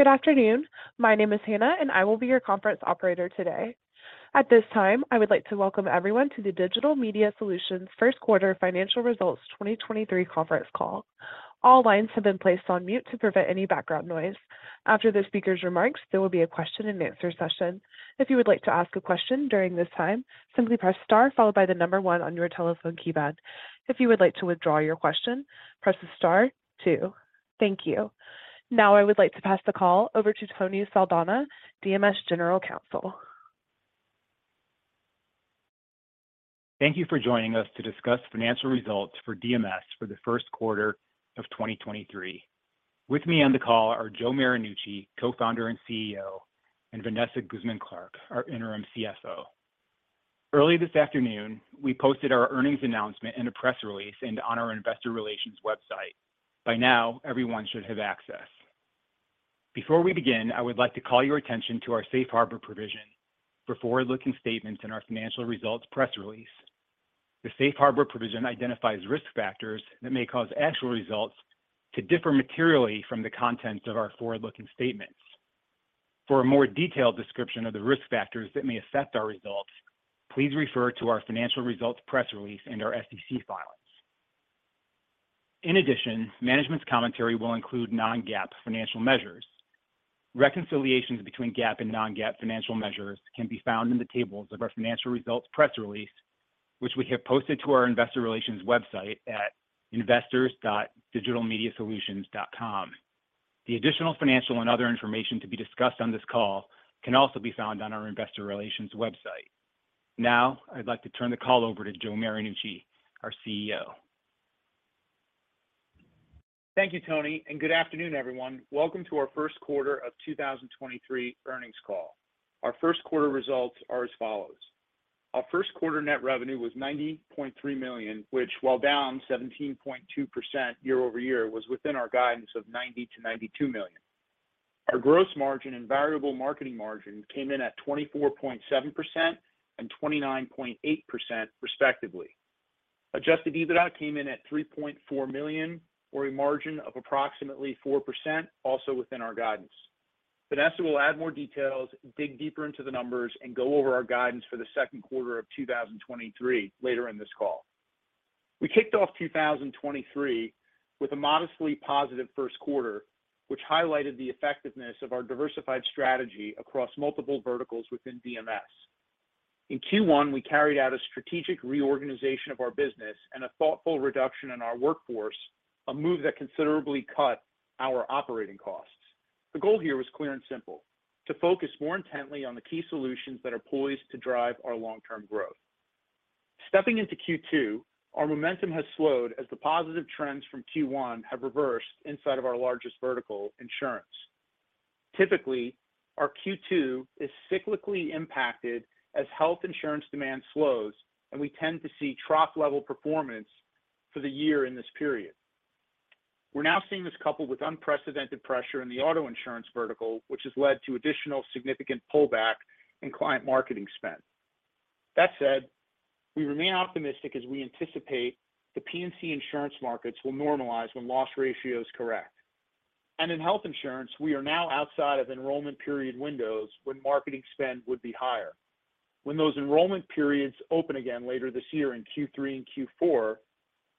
Good afternoon. My name is Hannah, and I will be your conference operator today. At this time, I would like to welcome everyone to the Digital Media Solutions First Quarter Financial Results 2023 conference call. All lines have been placed on mute to prevent any background noise. After the speaker's remarks, there will be a question and answer session. If you would like to ask a question during this time, simply press star followed by one on your telephone keypad. If you would like to withdraw your question, press star two. Thank you. Now I would like to pass the call over to Anthony Saldana, DMS General Counsel. Thank you for joining us to discuss financial results for DMS for the first quarter of 2023. With me on the call are Joe Marinucci, Co-founder and CEO, and Vanessa Guzmán-Clark, our interim CFO. Early this afternoon, we posted our earnings announcement in a press release and on our investor relations website. By now, everyone should have access. Before we begin, I would like to call your attention to our safe harbor provision for forward-looking statements in our financial results press release. The safe harbor provision identifies risk factors that may cause actual results to differ materially from the contents of our forward-looking statements. For a more detailed description of the risk factors that may affect our results, please refer to our financial results press release and our SEC filings. In addition, management's commentary will include non-GAAP financial measures. Reconciliations between GAAP and non-GAAP financial measures can be found in the tables of our financial results press release, which we have posted to our investor relations website at investors.digitalmediasolutions.com. The additional financial and other information to be discussed on this call can also be found on our investor relations website. Now, I'd like to turn the call over to Joe Marinucci, our CEO. Thank you, Tony, good afternoon, everyone. Welcome to our first quarter of 2023 earnings call. Our first quarter results are as follows. Our first quarter net revenue was $90.3 million, which, while down 17.2% year-over-year, was within our guidance of $90 million to $92 million. Our gross margin and Variable Marketing Margin came in at 24.7% and 29.8% respectively. Adjusted EBITDA came in at $3.4 million, or a margin of approximately 4%, also within our guidance. Vanessa will add more details, dig deeper into the numbers, and go over our guidance for the second quarter of 2023 later in this call. We kicked off 2023 with a modestly positive first quarter, which highlighted the effectiveness of our diversified strategy across multiple verticals within DMS. In Q1, we carried out a strategic reorganization of our business and a thoughtful reduction in our workforce, a move that considerably cut our operating costs. The goal here was clear and simple, to focus more intently on the key solutions that are poised to drive our long-term growth. Stepping into Q2, our momentum has slowed as the positive trends from Q1 have reversed inside of our largest vertical, insurance. Typically, our Q2 is cyclically impacted as health insurance demand slows, and we tend to see trough level performance for the year in this period. We're now seeing this coupled with unprecedented pressure in the auto insurance vertical, which has led to additional significant pullback in client marketing spend. That said, we remain optimistic as we anticipate the P&C insurance markets will normalize when loss ratios correct. In health insurance, we are now outside of enrollment period windows when marketing spend would be higher. When those enrollment periods open again later this year in Q3 and Q4,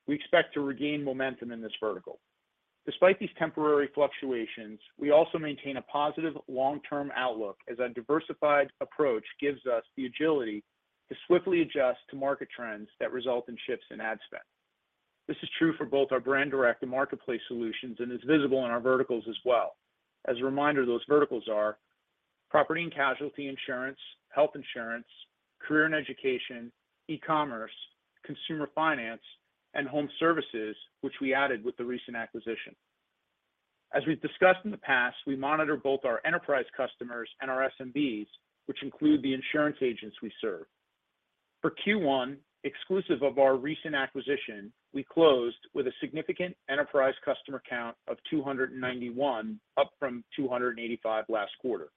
we expect to regain momentum in this vertical. Despite these temporary fluctuations, we also maintain a positive long-term outlook as a diversified approach gives us the agility to swiftly adjust to market trends that result in shifts in ad spend. This is true for both our Brand-Direct and Marketplace Solutions and is visible in our verticals as well. As a reminder, those verticals are property and casualty insurance, health insurance, career and education, e-commerce, consumer finance, and home services, which we added with the recent acquisition. As we've discussed in the past, we monitor both our enterprise customers and our SMBs, which include the insurance agents we serve. For Q1, exclusive of our recent acquisition, we closed with a significant enterprise customer count of 291, up from 285 last quarter.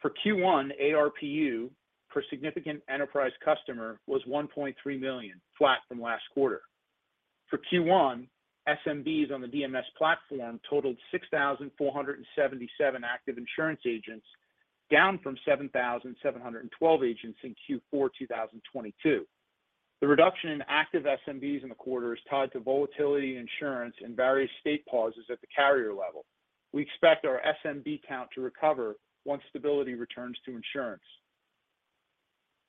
For Q1, ARPU per significant enterprise customer was $1.3 million, flat from last quarter. For Q1, SMBs on the DMS platform totaled 6,477 active insurance agents, down from 7,712 agents in Q4 2022. The reduction in active SMBs in the quarter is tied to volatility insurance and various state pauses at the carrier level. We expect our SMB count to recover once stability returns to insurance.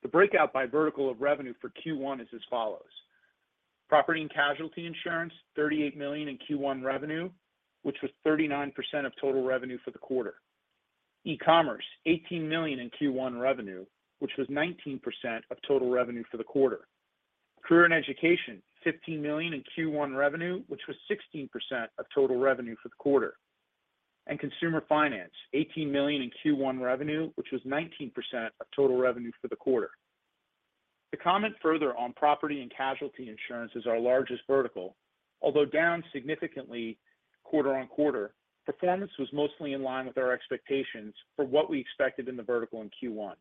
The breakout by vertical of revenue for Q1 is as follows. Property and casualty insurance, $38 million in Q1 revenue, which was 39% of total revenue for the quarter. E-commerce, $18 million in Q1 revenue, which was 19% of total revenue for the quarter. Career and education, $15 million in Q1 revenue, which was 16% of total revenue for the quarter. Consumer finance, $18 million in Q1 revenue, which was 19% of total revenue for the quarter. To comment further on Property and Casualty insurance as our largest vertical, although down significantly quarter-over-quarter, performance was mostly in line with our expectations for what we expected in the vertical in Q1.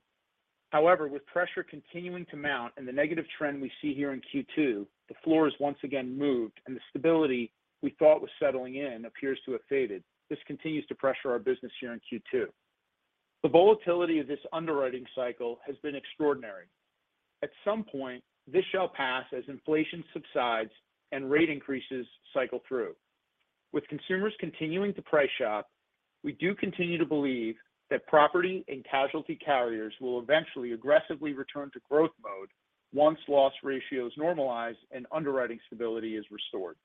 However, with pressure continuing to mount and the negative trend we see here in Q2, the floor is once again moved, and the stability we thought was settling in appears to have faded. This continues to pressure our business here in Q2. The volatility of this underwriting cycle has been extraordinary. At some point, this shall pass as inflation subsides and rate increases cycle through. With consumers continuing to price shop, we do continue to believe that Property and Casualty carriers will eventually aggressively return to growth mode once loss ratios normalize and underwriting stability is restored.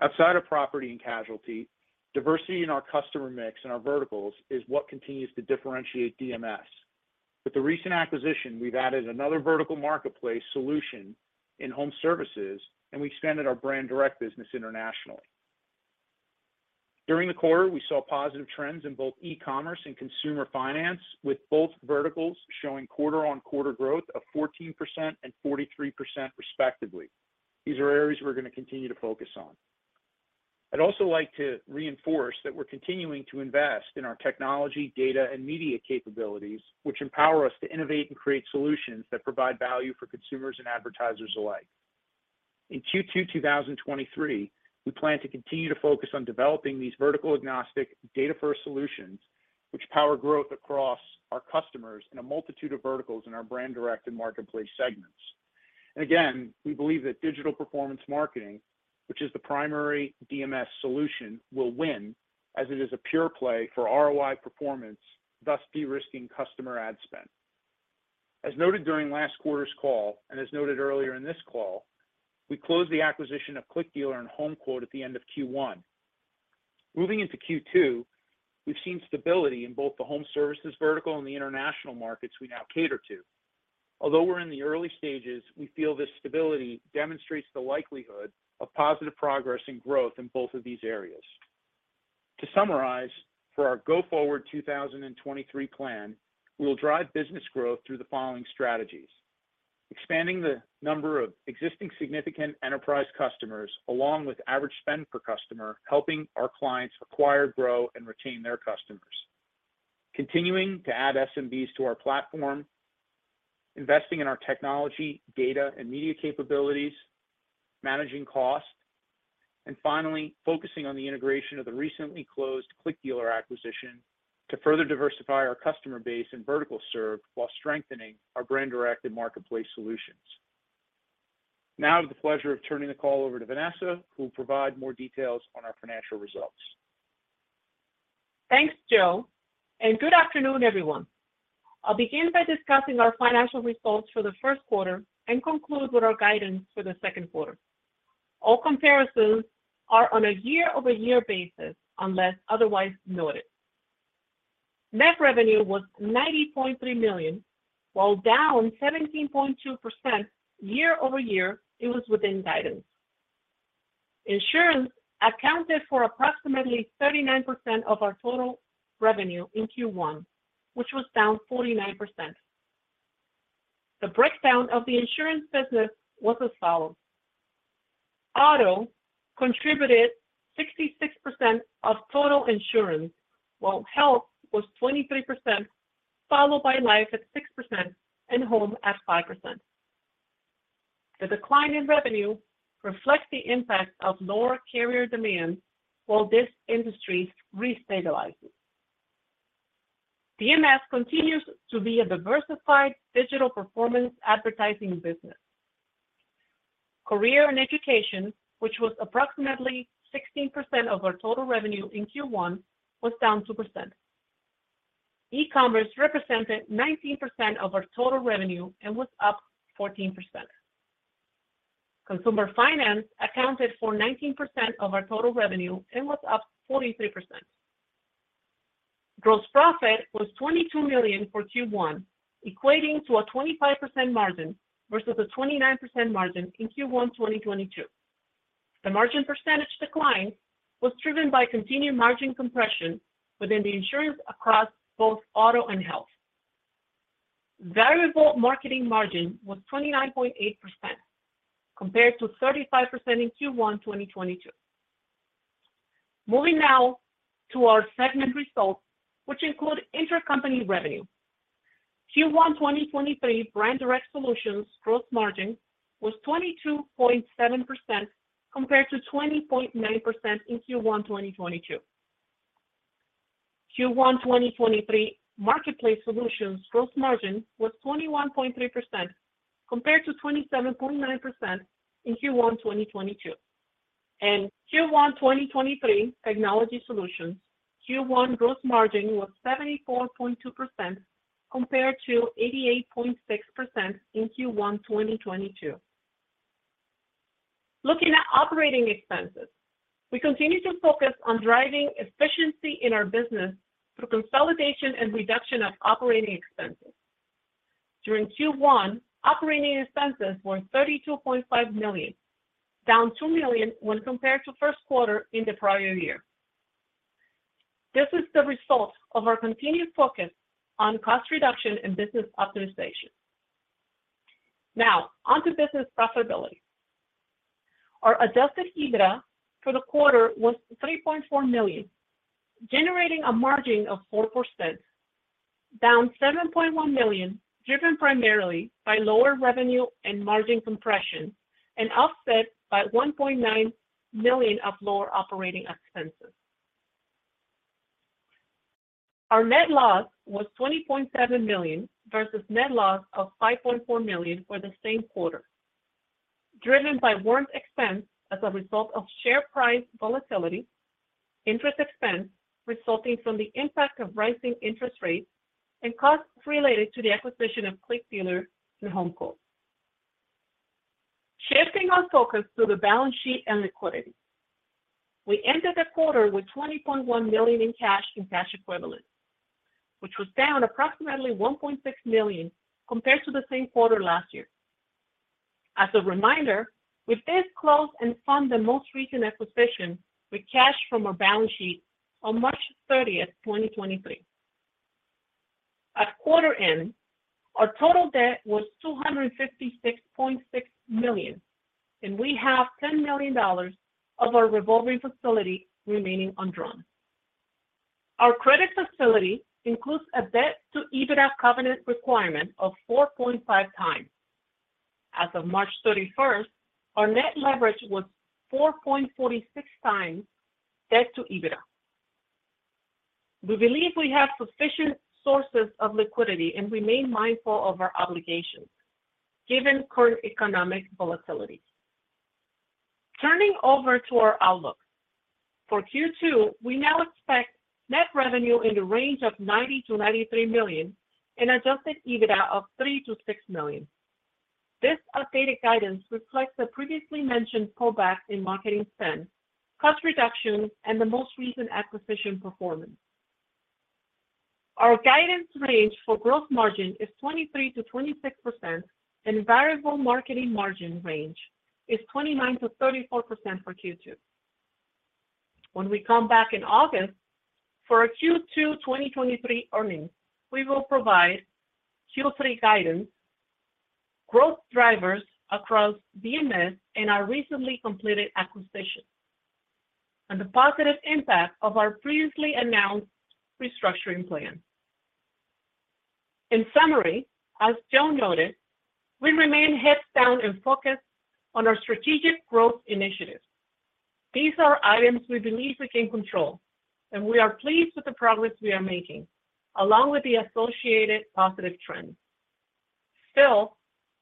Outside of Property and Casualty, diversity in our customer mix and our verticals is what continues to differentiate DMS. With the recent acquisition, we've added another vertical marketplace solution in home services, and we expanded our Brand-Direct business internationally. During the quarter, we saw positive trends in both e-commerce and consumer finance, with both verticals showing quarter-on-quarter growth of 14% and 43% respectively. These are areas we're going to continue to focus on. I'd also like to reinforce that we're continuing to invest in our technology, data, and media capabilities, which empower us to innovate and create solutions that provide value for consumers and advertisers alike. In Q2 2023, we plan to continue to focus on developing these vertical agnostic data-first solutions, which power growth across our customers in a multitude of verticals in our Brand-Direct and Marketplace segments. Again, we believe that digital performance marketing, which is the primary DMS solution, will win as it is a pure play for ROI performance, thus de-risking customer ad spend. As noted during last quarter's call, and as noted earlier in this call, we closed the acquisition of ClickDealer and HomeQuote at the end of Q1. Moving into Q2, we've seen stability in both the home services vertical and the international markets we now cater to. Although we're in the early stages, we feel this stability demonstrates the likelihood of positive progress and growth in both of these areas. To summarize, for our go-forward 2023 plan, we will drive business growth through the following strategies. Expanding the number of existing significant enterprise customers along with average spend per customer, helping our clients acquire, grow, and retain their customers. Continuing to add SMBs to our platform, investing in our technology, data, and media capabilities, managing costs, and finally, focusing on the integration of the recently closed ClickDealer acquisition to further diversify our customer base and vertical serve while strengthening our Brand-Direct and Marketplace Solutions. To the pleasure of turning the call over to Vanessa, who will provide more details on our financial results. Thanks, Joe. Good afternoon, everyone. I'll begin by discussing our financial results for the first quarter and conclude with our guidance for the second quarter. All comparisons are on a year-over-year basis unless otherwise noted. Net revenue was $90.3 million. While down 17.2% year-over-year, it was within guidance. Insurance accounted for approximately 39% of our total revenue in Q1, which was down 49%. The breakdown of the insurance business was as follows: Auto contributed 66% of total insurance, while health was 23%, followed by life at 6% and home at 5%. The decline in revenue reflects the impact of lower carrier demand while this industry re-stabilizes. DMS continues to be a diversified digital performance advertising business. Career and education, which was approximately 16% of our total revenue in Q1, was down 2%. E-commerce represented 19% of our total revenue and was up 14%. Consumer finance accounted for 19% of our total revenue and was up 43%. Gross profit was $22 million for Q1, equating to a 25% margin versus a 29% margin in Q1 2022. The margin percentage decline was driven by continued margin compression within the insurance across both auto and health. Variable Marketing Margin was 29.8% compared to 35% in Q1 2022. Moving now to our segment results, which include intercompany revenue. Q1 2023 Brand-Direct Solutions gross margin was 22.7% compared to 20.9% in Q1 2022. Q1 2023 Marketplace Solutions gross margin was 21.3% compared to 27.9% in Q1 2022. Q1 2023 Technology Solutions, Q1 gross margin was 74.2% compared to 88.6% in Q1 2022. Looking at operating expenses, we continue to focus on driving efficiency in our business through consolidation and reduction of operating expenses. During Q1, operating expenses were $32.5 million, down $2 million when compared to first quarter in the prior year. This is the result of our continued focus on cost reduction and business optimization. Now, on to business profitability. Our Adjusted EBITDA for the quarter was $3.4 million, generating a margin of 4%, down $7.1 million, driven primarily by lower revenue and margin compression, and offset by $1.9 million of lower operating expenses. Our net loss was $20.7 million versus net loss of $5.4 million for the same quarter, driven by warrant expense as a result of share price volatility, interest expense resulting from the impact of rising interest rates, and costs related to the acquisition of ClickDealer and HomeQuote. Shifting our focus to the balance sheet and liquidity. We ended the quarter with $20.1 million in cash and cash equivalents, which was down approximately $1.6 million compared to the same quarter last year. As a reminder, we did close and fund the most recent acquisition with cash from our balance sheet on March 30th, 2023. At quarter end, our total debt was $256.6 million, and we have $10 million of our revolving facility remaining undrawn. Our credit facility includes a debt-to-EBITDA covenant requirement of 4.5 times. As of March 31st, our net leverage was 4.46 times debt to EBITDA. We believe we have sufficient sources of liquidity and remain mindful of our obligations given current economic volatility. Turning over to our outlook. For Q2, we now expect net revenue in the range of $90 million to $93 million and Adjusted EBITDA of $3 million to $6 million. This updated guidance reflects the previously mentioned pullback in marketing spend, cost reductions, and the most recent acquisition performance. Our guidance range for growth margin is 23% to 26%, and Variable Marketing Margin range is 29% to 34% for Q2. When we come back in August for our Q2 2023 earnings, we will provide Q3 guidance, growth drivers across DMS and our recently completed acquisitions, and the positive impact of our previously announced restructuring plan. In summary, as Joe noted, we remain heads down and focused on our strategic growth initiatives. These are items we believe we can control, and we are pleased with the progress we are making, along with the associated positive trends. Still,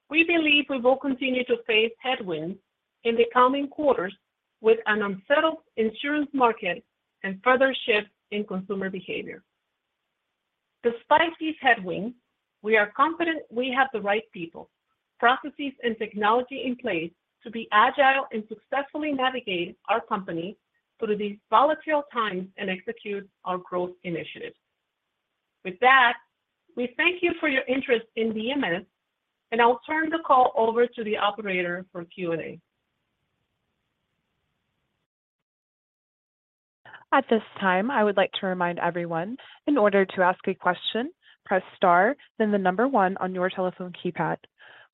we believe we will continue to face headwinds in the coming quarters with an unsettled insurance market and further shifts in consumer behavior. Despite these headwinds, we are confident we have the right people, processes, and technology in place to be agile and successfully navigate our company through these volatile times and execute our growth initiatives. With that, we thank you for your interest in DMS, and I'll turn the call over to the operator for Q&A. At this time, I would like to remind everyone, in order to ask a question, press star, then the number one on your telephone keypad.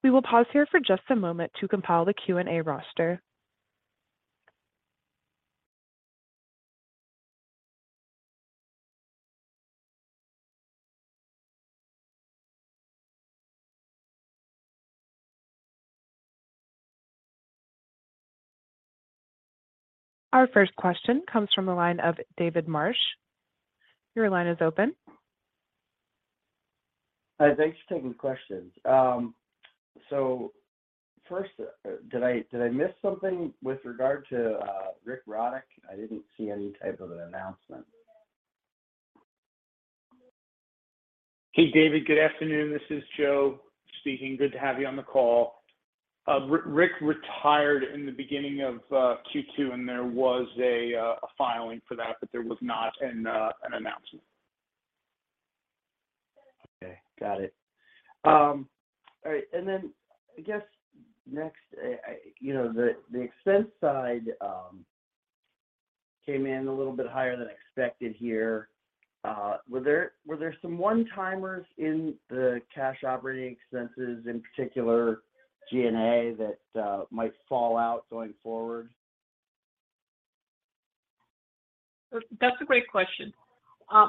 We will pause here for just a moment to compile the Q&A roster. Our first question comes from the line of David Marsh. Your line is open. Thanks for taking questions. First, did I miss something with regard to Rick Rodda? I didn't see any type of an announcement. Hey, David. Good afternoon. This is Joe speaking. Good to have you on the call. Rick retired in the beginning of Q2, and there was a filing for that, but there was not an announcement. Okay, got it. All right. I guess next, you know, the expense side came in a little bit higher than expected here. Were there some one-timers in the cash operating expenses, in particular G&A, that might fall out going forward? That's a great question.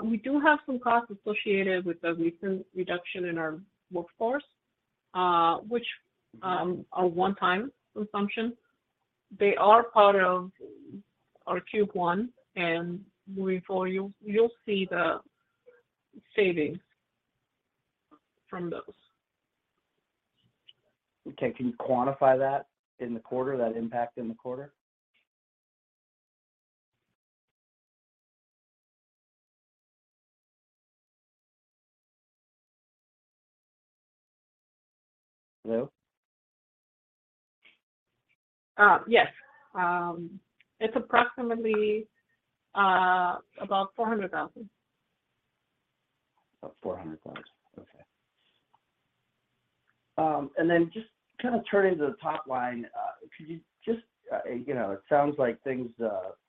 We do have some costs associated with the recent reduction in our workforce, which are one-time assumption. They are part of our Q1, and moving forward, you'll see the savings from those. Okay. Can you quantify that in the quarter, that impact in the quarter? Hello? yes. It's approximately, about $400,000. About $400,000. Okay. Then just kind of turning to the top line. Could you just, you know, it sounds like things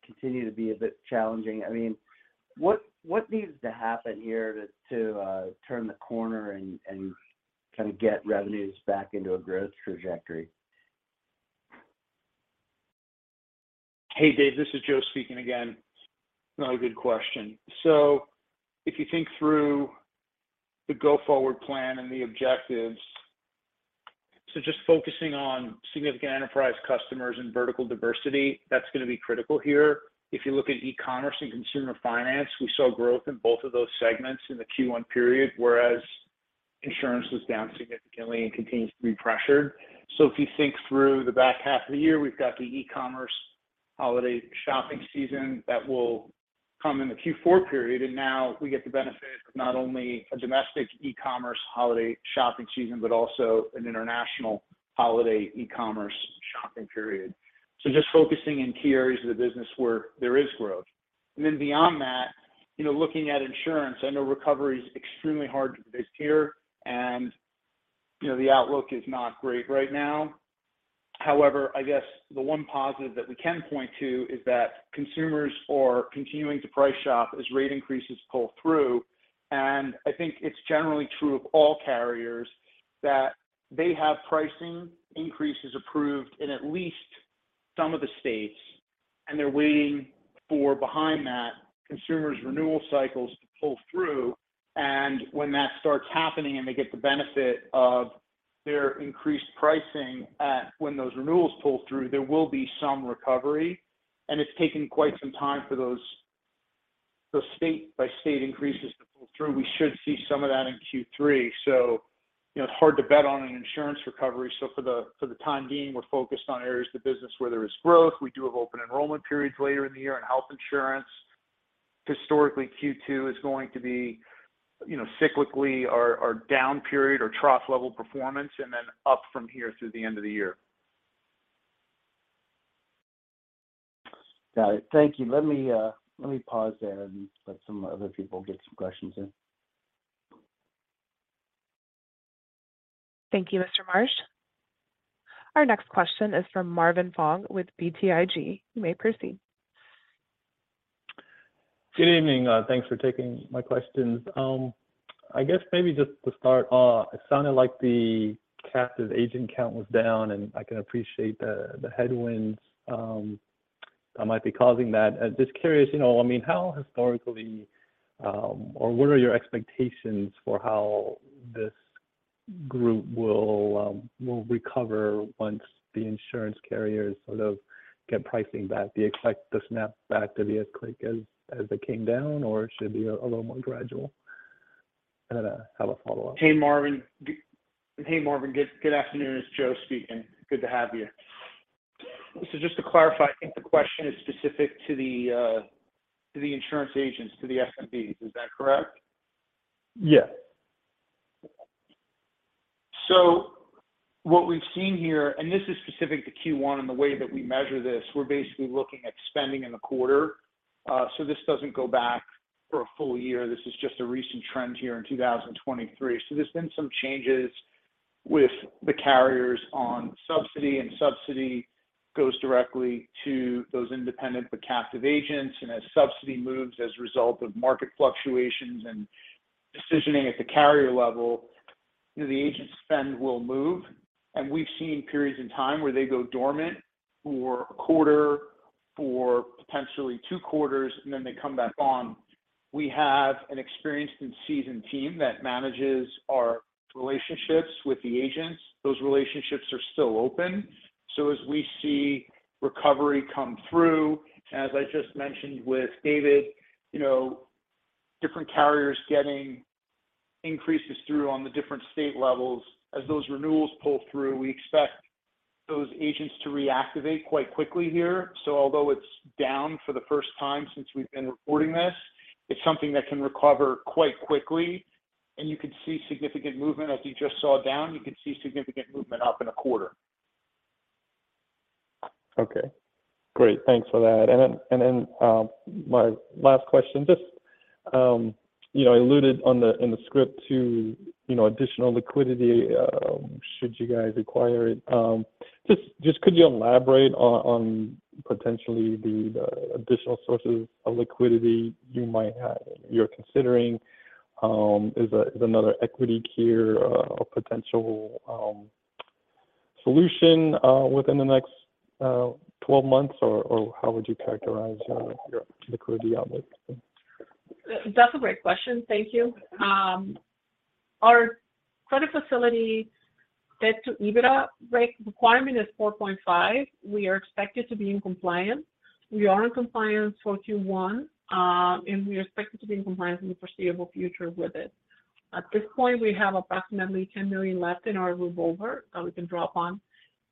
continue to be a bit challenging. I mean, what needs to happen here to turn the corner and kind of get revenues back into a growth trajectory? Hey, Dave, this is Joe speaking again. Another good question. If you think through the go-forward plan and the objectives, so just focusing on significant enterprise customers and vertical diversity, that's gonna be critical here. If you look at e-commerce and consumer finance, we saw growth in both of those segments in the Q1 period, whereas insurance was down significantly and continues to be pressured. If you think through the back half of the year, we've got the e-commerce holiday shopping season that will come in the Q4 period, and now we get the benefit of not only a domestic e-commerce holiday shopping season, but also an international holiday e-commerce shopping period. Just focusing in key areas of the business where there is growth. Beyond that, you know, looking at insurance, I know recovery is extremely hard to predict here and, you know, the outlook is not great right now. However, I guess the one positive that we can point to is that consumers are continuing to price shop as rate increases pull through. I think it's generally true of all carriers that they have pricing increases approved in at least some of the states, and they're waiting for behind that, consumers' renewal cycles to pull through. When that starts happening, and they get the benefit of their increased pricing at when those renewals pull through, there will be some recovery. It's taken quite some time for those state-by-state increases to pull through. We should see some of that in Q3. You know, it's hard to bet on an insurance recovery. For the time being, we're focused on areas of the business where there is growth. We do have open enrollment periods later in the year in health insurance. Historically, Q2 is going to be, you know, cyclically our down period or trough level performance and then up from here through the end of the year. Got it. Thank you. Let me pause there and let some other people get some questions in. Thank you, Mr. Marsh. Our next question is from Marvin Fong with BTIG. You may proceed. Good evening. Thanks for taking my questions. I guess maybe just to start off, it sounded like the captive agent count was down, and I can appreciate the headwinds, that might be causing that. Just curious, you know, I mean, how historically, or what are your expectations for how this group will recover once the insurance carriers sort of get pricing back? Do you expect the snapback to be as quick as they came down, or it should be a little more gradual? I have a follow-up. Hey, Marvin. Good afternoon. It's Joe speaking. Good to have you. Just to clarify, I think the question is specific to the insurance agents, to the SMBs. Is that correct? Yes. What we've seen here, and this is specific to Q1 and the way that we measure this, we're basically looking at spending in the quarter. This doesn't go back for a full year. This is just a recent trend here in 2023. There's been some changes with the carriers on subsidy, and subsidy goes directly to those independent, but captive agents. As subsidy moves as a result of market fluctuations and decisioning at the carrier level, you know, the agent spend will move. We've seen periods in time where they go dormant for a quarter, for potentially two quarters, and then they come back on. We have an experienced and seasoned team that manages our relationships with the agents. Those relationships are still open. As we see recovery come through, as I just mentioned with David, you know, different carriers getting increases through on the different state levels. As those renewals pull through, we expect those agents to reactivate quite quickly here. Although it's down for the first time since we've been reporting this, it's something that can recover quite quickly. You can see significant movement. As you just saw down, you can see significant movement up in a quarter. Okay. Great. Thanks for that. My last question, just, you know, alluded in the script to, you know, additional liquidity, should you guys acquire it? Just could you elaborate on potentially the additional sources of liquidity you're considering? Is another equity tier, a potential, solution, within the next, 12 months? Or how would you characterize, your liquidity outlook? That's a great question. Thank you. Our credit facility debt-to-EBITDA break requirement is 4.5. We are expected to be in compliance. We are in compliance for Q1, and we are expected to be in compliance in the foreseeable future with it. At this point, we have approximately $10 million left in our revolver that we can draw upon.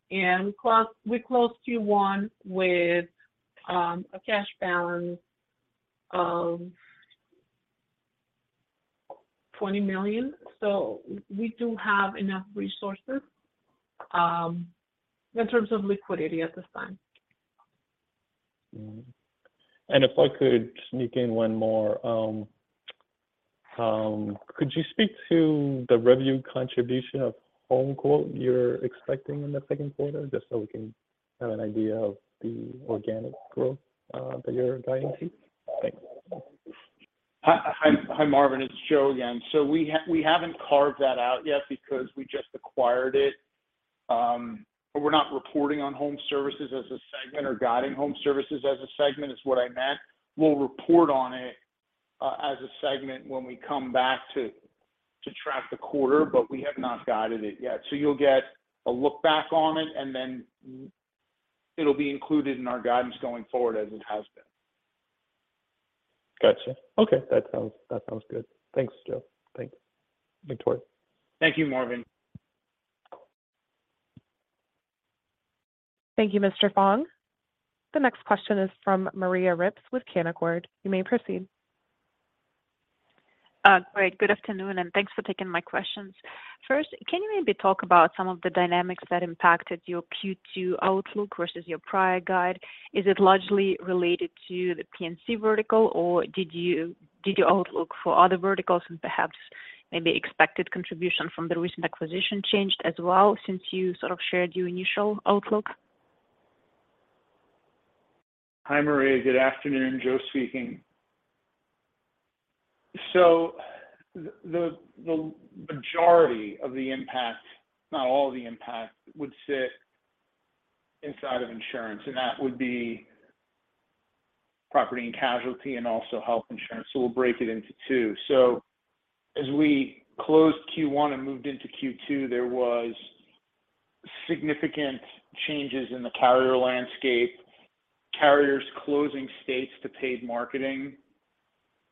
We closed Q1 with a cash balance of $20 million. We do have enough resources in terms of liquidity at this time. If I could sneak in one more, could you speak to the revenue contribution of HomeQuote you're expecting in the second quarter, just so we can have an idea of the organic growth that you're guiding to? Thanks. Hi, Marvin. It's Joe again. We haven't carved that out yet because we just acquired it. We're not reporting on Home Services as a segment or guiding Home Services as a segment, is what I meant. We'll report on it as a segment when we come back to track the quarter, but we have not guided it yet. You'll get a look back on it, and then it'll be included in our guidance going forward as it has been. Got you. Okay. That sounds good. Thanks, Joe. Thanks. Victoria. Thank you, Marvin. Thank you, Mr. Fong. The next question is from Maria Ripps with Canaccord Genuity. You may proceed. Great. Good afternoon. Thanks for taking my questions. First, can you maybe talk about some of the dynamics that impacted your Q2 outlook versus your prior guide? Is it largely related to the P&C vertical, or did your outlook for other verticals and perhaps maybe expected contribution from the recent acquisition changed as well since you sort of shared your initial outlook? Hi, Maria. Good afternoon. Joe speaking. The majority of the impact, not all the impact, would sit inside of insurance, and that would be property and casualty and also health insurance. We'll break it into two. As we closed Q1 and moved into Q2, there was significant changes in the carrier landscape, carriers closing states to paid marketing.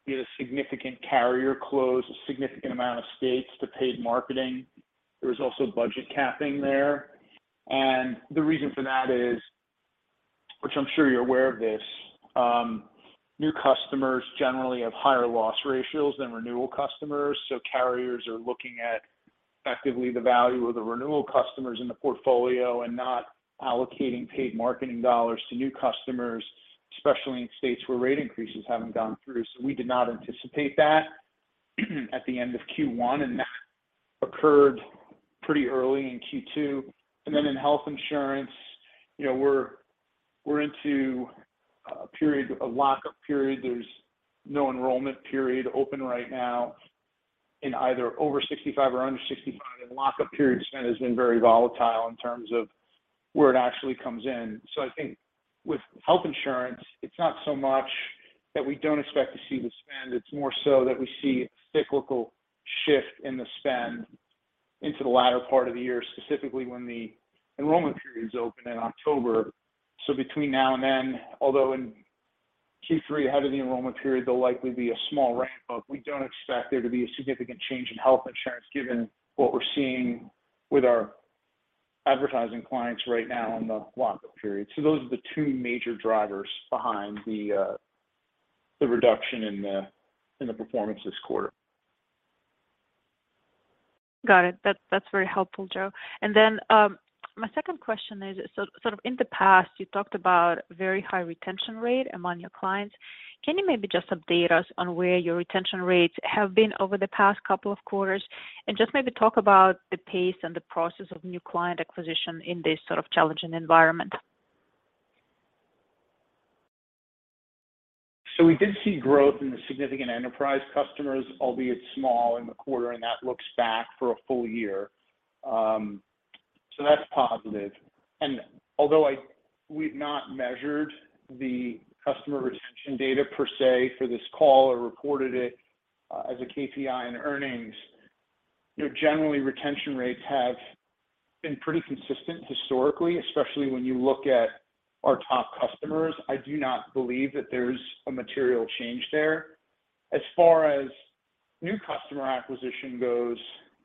We had a significant carrier close a significant amount of states to paid marketing. There was also budget capping there. The reason for that is, which I'm sure you're aware of this, new customers generally have higher loss ratios than renewal customers. Carriers are looking at effectively the value of the renewal customers in the portfolio and not allocating paid marketing dollars to new customers, especially in states where rate increases haven't gone through. We did not anticipate that at the end of Q1, and that occurred pretty early in Q2. Then in health insurance, you know, we're into a period, a lock-up period. There's no enrollment period open right now in either over 65 or under 65, and lock-up period spend has been very volatile in terms of where it actually comes in. I think with health insurance, it's not so much that we don't expect to see the spend, it's more so that we see a cyclical shift in the spend into the latter part of the year, specifically when the enrollment periods open in October. Between now and then, although in Q3 ahead of the enrollment period, there'll likely be a small ramp up, we don't expect there to be a significant change in health insurance given what we're seeing with our advertising clients right now in the lock-up period. Those are the two major drivers behind the reduction in the performance this quarter. Got it. That's very helpful, Joe. My second question is sort of in the past you talked about very high retention rate among your clients. Can you maybe just update us on where your retention rates have been over the past couple of quarters? Just maybe talk about the pace and the process of new client acquisition in this sort of challenging environment. We did see growth in the significant enterprise customers, albeit small in the quarter, and that looks back for a full year. That's positive. Although we've not measured the customer retention data per se for this call or reported it as a KPI in earnings, you know, generally retention rates have been pretty consistent historically, especially when you look at our top customers. I do not believe that there's a material change there. As far as new customer acquisition goes,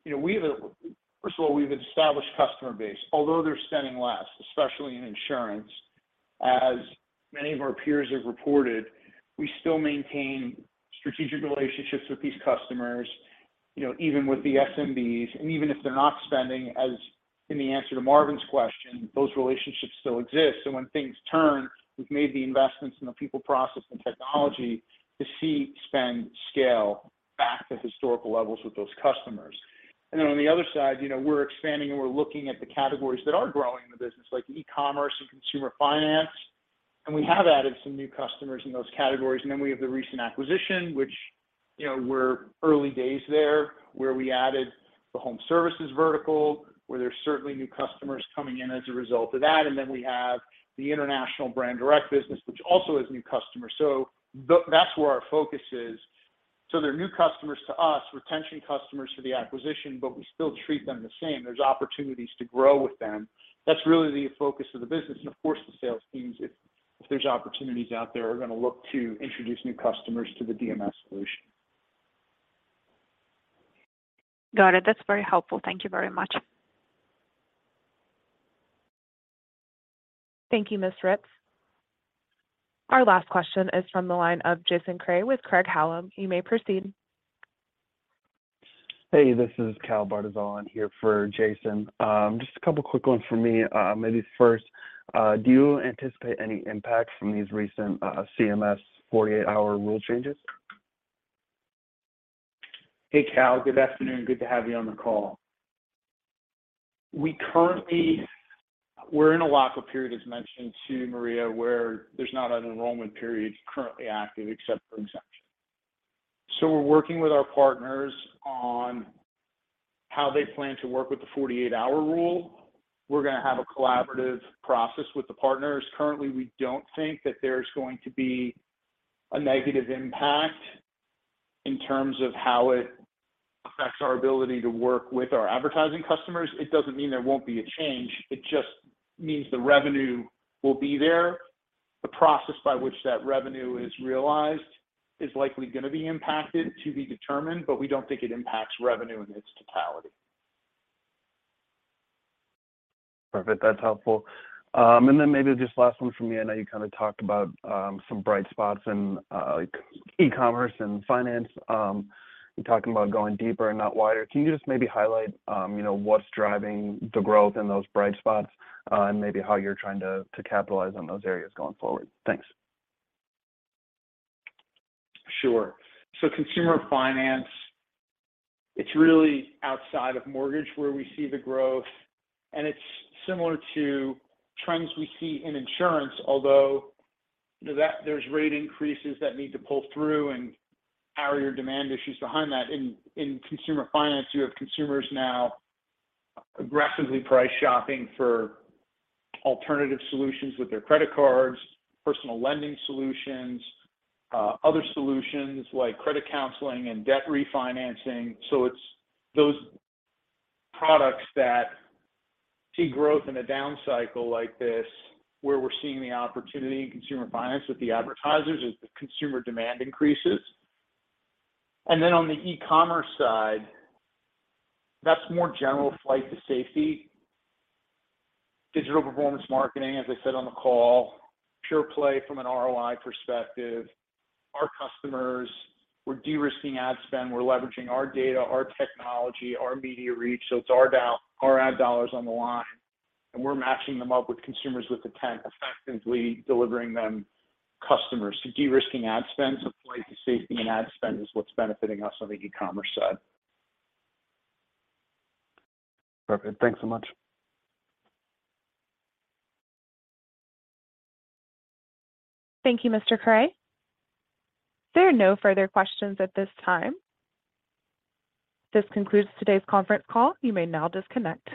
you know, First of all, we have an established customer base, although they're spending less, especially in insurance. As many of our peers have reported, we still maintain strategic relationships with these customers, you know, even with the SMBs. Even if they're not spending, as in the answer to Marvin's question, those relationships still exist. When things turn, we've made the investments in the people process and technology to see spend scale back to historical levels with those customers. On the other side, you know, we're expanding and we're looking at the categories that are growing in the business, like e-commerce and consumer finance. We have added some new customers in those categories. We have the recent acquisition, which, you know, we're early days there, where we added the home services vertical, where there's certainly new customers coming in as a result of that. We have the international Brand-Direct business, which also has new customers. That's where our focus is. They're new customers to us, retention customers for the acquisition, but we still treat them the same. There's opportunities to grow with them. That's really the focus of the business. Of course, the sales teams, if there's opportunities out there, are gonna look to introduce new customers to the DMS solution. Got it. That's very helpful. Thank you very much. Thank you, Ms. Ripps. Our last question is from the line of Jason Kreyer with Craig-Hallum. You may proceed. Hey, this is Cal Bartyzal here for Jason. Just a couple quick ones for me. Maybe first, do you anticipate any impact from these recent, CMS 48-Hour Rule changes? Hey, Cal. Good afternoon. Good to have you on the call. We're in a lock-up period, as mentioned to Maria, where there's not an enrollment period currently active except for exemption. We're working with our partners on how they plan to work with the 48-Hour Rule. We're gonna have a collaborative process with the partners. Currently, we don't think that there's going to be a negative impact in terms of how it affects our ability to work with our advertising customers. It doesn't mean there won't be a change, it just means the revenue will be there. The process by which that revenue is realized is likely gonna be impacted to be determined, but we don't think it impacts revenue in its totality. Perfect. That's helpful. Maybe just last one from me. I know you kinda talked about, some bright spots in, like e-commerce and finance. You're talking about going deeper and not wider. Can you just maybe highlight, you know, what's driving the growth in those bright spots, and maybe how you're trying to capitalize on those areas going forward? Thanks. Sure. Consumer finance, it's really outside of mortgage where we see the growth, and it's similar to trends we see in insurance, although you know that there's rate increases that need to pull through and are your demand issues behind that. In consumer finance, you have consumers now aggressively price shopping for alternative solutions with their credit cards, personal lending solutions, other solutions like credit counseling and debt refinancing. It's those products that see growth in a down cycle like this, where we're seeing the opportunity in consumer finance with the advertisers as the consumer demand increases. On the e-commerce side, that's more general flight to safety. Digital performance marketing, as I said on the call, pure play from an ROI perspective. Our customers, we're de-risking ad spend, we're leveraging our data, our technology, our media reach. It's our ad dollars on the line, and we're matching them up with consumers with intent, effectively delivering them customers. De-risking ad spend, so flight to safety and ad spend is what's benefiting us on the e-commerce side. Perfect. Thanks so much. Thank you, Mr. Jason Kreyer. There are no further questions at this time. This concludes today's conference call. You may now disconnect.